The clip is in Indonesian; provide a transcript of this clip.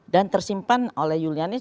dan tersimpan oleh julianis